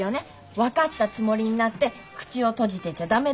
分かったつもりになって口を閉じてちゃ駄目だってこと。